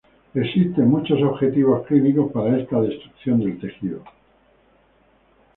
Existen muchos objetivos clínico para esta destrucción del tejido.